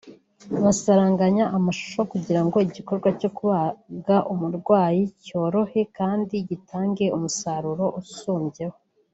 basaranganya amashusho kugira ngo igikorwa cyo kubaga umurwayi cyorohe kandi gitange umusaruro usumbyeho